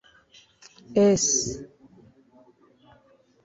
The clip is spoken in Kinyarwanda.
s